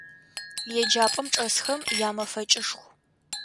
Еджапӏэм чӏэсхэм ямэфэкӏышху.